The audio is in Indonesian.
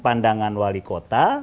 pandangan wali kota